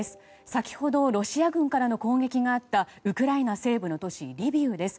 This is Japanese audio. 先ほどロシア軍からの攻撃があったウクライナ西部の都市リビウです。